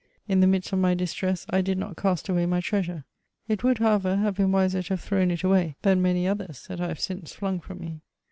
In the midst of my distress, I did not cast away my treasure ; it would however have been wiser to have thrown it away than many others that I have .since flung from me.